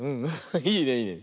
いいねいいね。